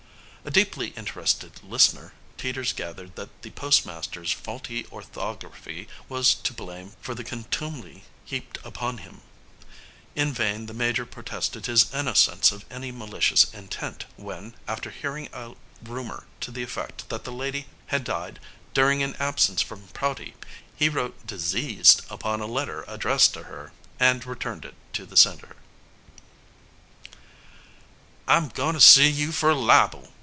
A deeply interested listener, Teeters gathered that the postmaster's faulty orthography was to blame for the contumely heaped upon him. In vain the Major protested his innocence of any malicious intent when, after hearing a rumor to the effect that the lady had died during an absence from Prouty, he wrote "diseased" upon a letter addressed to her, and returned it to the sender. "I'm goin' to sue you for libel!"